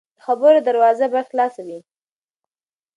د خبرو دروازه باید خلاصه وي